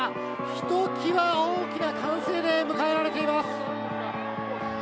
ひときわ大きな歓声で迎えられています。